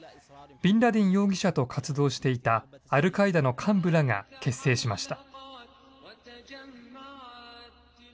ビンラディン容疑者と活動していたアルカイダの幹部らが結成しました。